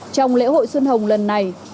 trong lễ hội xuân hồng lần này